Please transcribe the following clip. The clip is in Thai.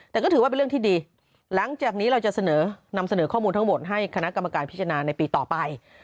แต่ก็ถือว่าเป็นเรื่องที่ดีหลังจากนี้เราจะเสนอนำเสนอข้อมูลทั้งหมดให้คณะกรรมการพิจารณาในปีต่อไป